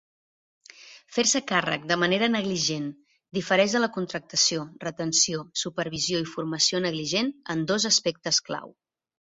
Fer-se càrrec de manera negligent difereix de la contractació, retenció, supervisió i formació negligent en dos aspectes clau.